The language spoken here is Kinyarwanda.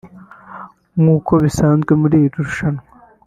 nk’uko bisanzwe muri iri rushanwa